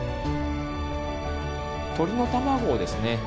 鳥の卵をですね